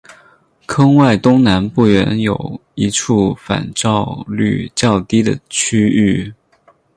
坑外东南不远有一处反照率较低的区域。